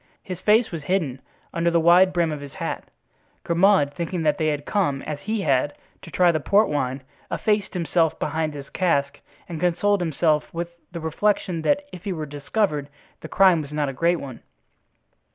His face was hidden under the wide brim of his hat. Grimaud, thinking that they had come, as he had, to try the port wine, effaced himself behind his cask and consoled himself with the reflection that if he were discovered the crime was not a great one.